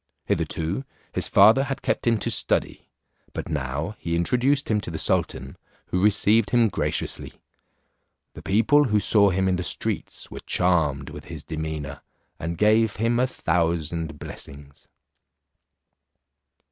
Hitherto his father had kept him to study, but now he introduced him to the sultan, who received him graciously. The people who saw him in the streets were charmed with his demeanour, and gave him a thousand blessings.